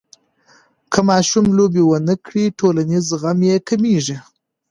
که ماشوم لوبې ونه کړي، ټولنیز زغم یې کمېږي.